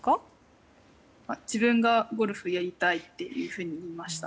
自分がゴルフをやりたいっていうふうに言いました。